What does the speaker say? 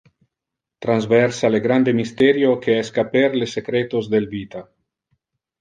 Transversa le grande mysterio que es caper le secretos del vita